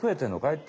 って。